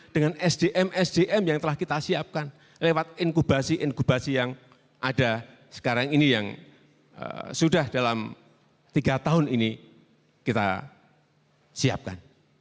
dengan sdm sdm yang telah kita siapkan lewat inkubasi inkubasi yang ada sekarang ini yang sudah dalam tiga tahun ini kita siapkan